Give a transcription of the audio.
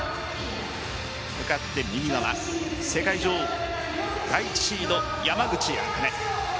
向かって右側、世界女王第１シード・山口茜。